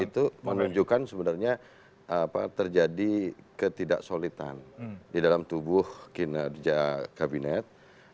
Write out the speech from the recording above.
itu menunjukkan sebenarnya terjadi ketidaksolitan di dalam tubuh kinerja kabinet